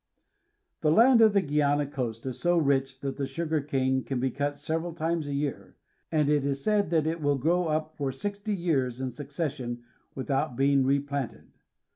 The land of the Guiana coast is so rich that the sugar cane can be cut several times a year, and it is said that it will grow up for sixty years in succession without being replanted.